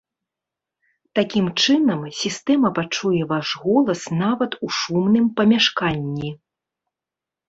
Такім чынам, сістэма пачуе ваш голас нават у шумным памяшканні.